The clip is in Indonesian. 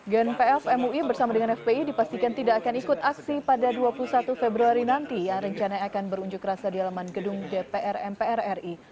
genpf mui bersama dengan fpi dipastikan tidak akan ikut aksi pada dua puluh satu februari nanti yang rencana akan berunjuk rasa di alaman gedung dpr mpr ri